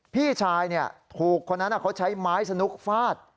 พี่ชายถูกคนนั้นเขาใช้ไม้สนุกฟาด